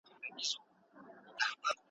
د علم په خپرولو کي هڅه وکړئ.